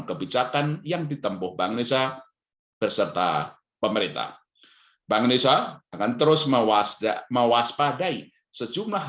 kebijakan yang ditempuh bangunan beserta pemerintah bangunan akan terus mewaspadai sejumlah